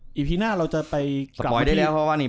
นี้ปกเปิดเฉพาะแล้ว